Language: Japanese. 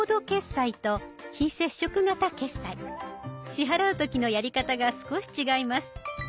支払う時のやり方が少し違います。